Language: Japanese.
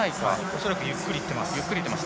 恐らくゆっくりいっています。